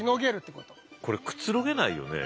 これくつろげないよね。